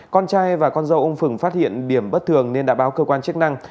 con trai và con dâu ông phừng phát hiện điểm bất thường nên đã báo cơ quan chức năng